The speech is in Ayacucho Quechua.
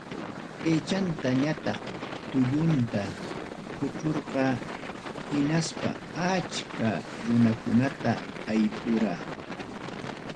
Aychanta ñataq tullunta kuchurqa, hinaspa achka runakunata aypura.